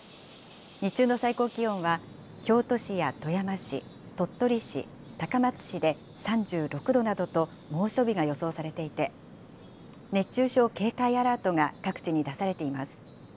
日中の最高気温は京都市や富山市、鳥取市、高松市で３６度などと猛暑日が予想されていて、熱中症警戒アラートが各地に出されています。